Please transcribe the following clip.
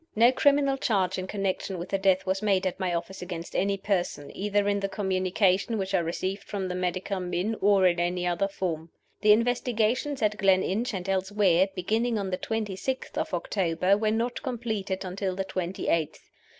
"No criminal charge in connection with the death was made at my office against any person, either in the communication which I received from the medical men or in any other form. The investigations at Gleninch and elsewhere, beginning on the twenty sixth of October, were not completed until the twenty eighth.